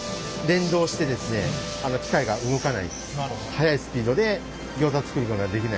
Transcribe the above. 速いスピードでギョーザ作ることができないっていう。